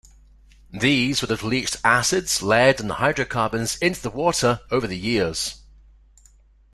These would have leached acids, lead and hydrocarbons into the water over the years.